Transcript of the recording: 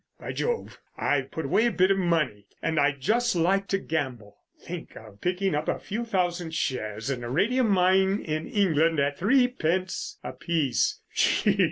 By jove, I've put away a bit of money, and I'd just like to gamble! Think of picking up a few thousand shares in a radium mine in England at threepence a piece.